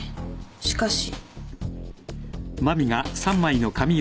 しかし。